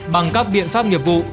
bằng các biện pháp nghiệp vụ